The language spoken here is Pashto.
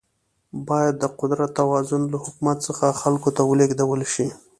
باید د قدرت توازن له حکومت څخه خلکو ته ولیږدول شي.